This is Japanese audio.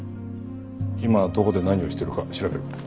今どこで何をしているか調べる。